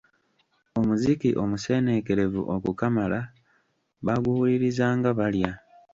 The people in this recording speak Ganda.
Omuziki omuseeneekerevu okukamala baaguwulirizanga balya.